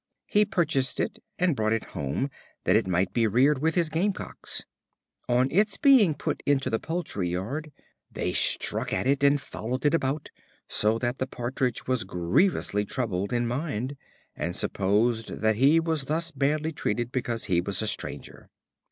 He purchased it, and brought it home that it might be reared with his Game cocks. On its being put into the poultry yard, they struck at it, and followed it about, so that the Partridge was grievously troubled in mind, and supposed that he was thus badly treated because he was a stranger.